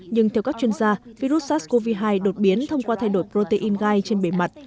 nhưng theo các chuyên gia virus sars cov hai đột biến thông qua thay đổi protein gai trên bề mặt